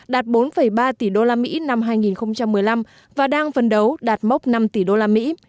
đạt bốn ba tỷ đô la mỹ năm hai nghìn một mươi năm và đang phấn đấu đạt mốc năm tỷ đô la mỹ